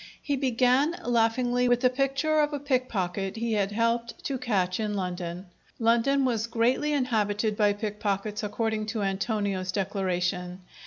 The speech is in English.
He began, laughingly, with the picture of a pickpocket he had helped to catch in London. London was greatly inhabited by pickpockets, according to Antonio's declaration.